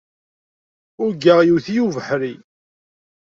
Ugaɣ iwet-iyi ubeḥri.